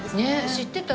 知ってた？